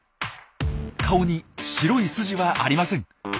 顔に白い筋はありません。